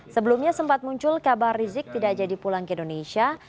sebelumnya sempat muncul kabar rizik tidak jadi pulang ke indonesia